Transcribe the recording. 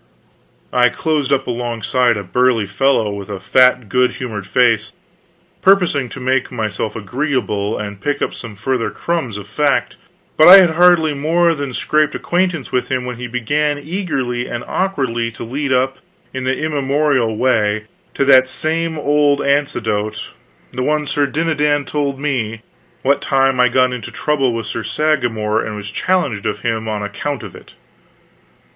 I closed up alongside of a burly fellow with a fat good humored face, purposing to make myself agreeable and pick up some further crumbs of fact; but I had hardly more than scraped acquaintance with him when he began eagerly and awkwardly to lead up, in the immemorial way, to that same old anecdote the one Sir Dinadan told me, what time I got into trouble with Sir Sagramor and was challenged of him on account of it.